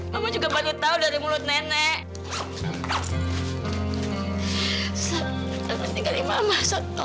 mama juga baru tahu dari mulut nenek masuk